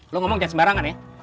lo ngomong jangan sembarangan ya